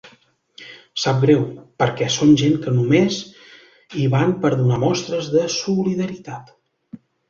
Sap greu, perquè són gent que només hi van per donar mostres de solidaritat.